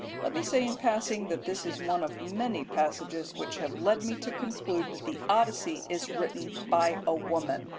Let me say in passing that this is one of many passages which have led me to conclude that the Odyssey is written by a woman.